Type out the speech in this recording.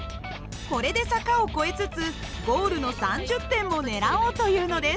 これで坂を越えつつゴールの３０点も狙おうというのです。